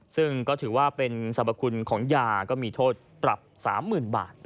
ซึ่งก็ถือว่าเป็นสรรพคุณของยาก็มีโทษปรับ๓๐๐๐บาท